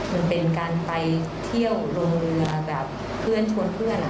มันเป็นการไปเที่ยวลงเรือแบบเพื่อนชวนเพื่อน